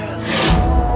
kau harus berhenti